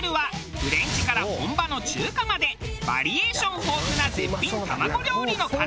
フレンチから本場の中華までバリエーション豊富な絶品卵料理の数々！